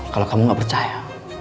kalau kamu gak percaya